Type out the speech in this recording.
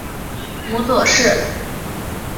母左氏。